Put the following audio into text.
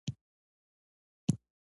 هغه د اشعارو مجموعې، لنډې کیسې لیکلي.